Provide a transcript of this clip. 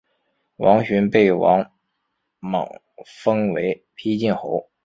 王寻被王莽封为丕进侯。